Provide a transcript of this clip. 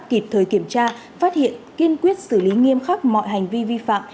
kịp thời kiểm tra phát hiện kiên quyết xử lý nghiêm khắc mọi hành vi vi phạm